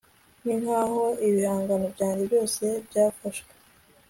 ninkaho ibihangano byanjye byose byafashwe